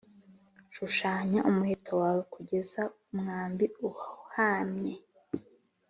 shushanya umuheto wawe kugeza umwambi uhamye